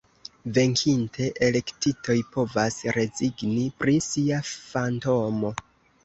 Venkinte, elektitoj povas rezigni pri sia fantomo.